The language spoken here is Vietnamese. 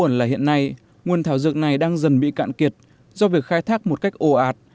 buồn là hiện nay nguồn thảo dược này đang dần bị cạn kiệt do việc khai thác một cách ồ ạt